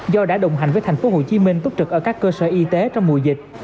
do đã đồng hành với tp hcm túc trực ở các cơ sở y tế trong mùa dịch